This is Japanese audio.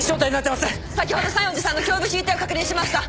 先ほど西園寺さんの胸部ＣＴを確認しました。